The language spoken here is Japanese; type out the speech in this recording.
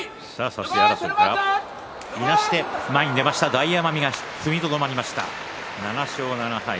大奄美が踏みとどまりました、７勝７敗。